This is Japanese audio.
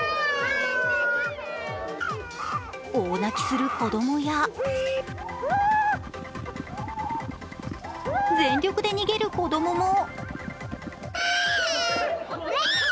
大泣きする子供や全力で逃げる子供も。